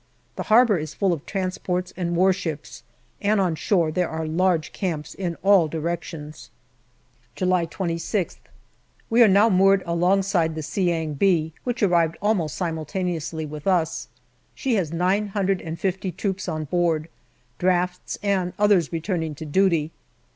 The harbour is full of transports and warships, and on shore there are large camps in all directions. July We are now moored alongside the Seeang Bec, which arrived almost simultaneously with us. She has 950 troops on board, drafts, and others returning to duty.